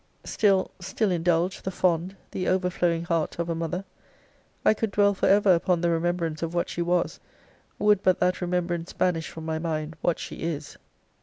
Still, still indulge the fond, the overflowing heart of a mother! I could dwell for ever upon the remembrance of what she was, would but that remembrance banish from my mind what she is!